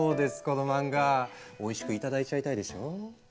この漫画おいしく頂いちゃいたいでしょ？